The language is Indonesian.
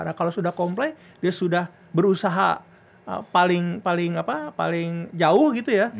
nah kalau sudah komplain dia sudah berusaha paling jauh gitu ya